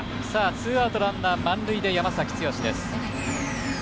ツーアウト、満塁で山崎剛です。